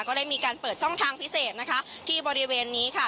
ก็ได้มีการเปิดช่องทางพิเศษนะคะที่บริเวณนี้ค่ะ